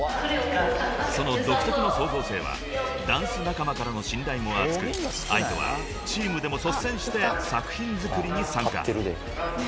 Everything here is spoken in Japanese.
［その独特の創造性はダンス仲間からの信頼も厚くＡＩＴＯはチームでも率先して作品作りに参加］